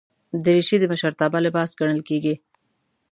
دریشي د مشرتابه لباس ګڼل کېږي.